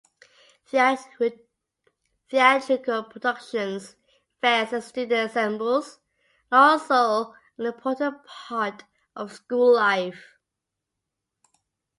Theatrical productions, fairs and student assemblies, are also an important part of school life.